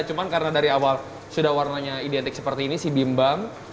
cuman karena dari awal sudah warnanya identik seperti ini sih bimbang